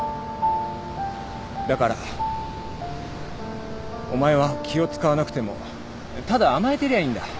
だからお前は気を使わなくてもただ甘えてりゃいいんだ。